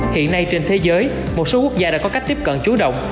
hiện nay trên thế giới một số quốc gia đã có cách tiếp cận chú động